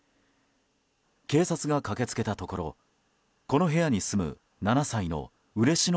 警察が駆け付けたところこの部屋に住む７歳の嬉野